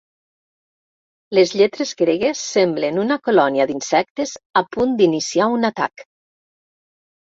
Les lletres gregues semblen una colònia d'insectes a punt d'iniciar un atac.